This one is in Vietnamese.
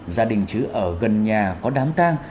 gia đình chứ ở gần nhà có đám tang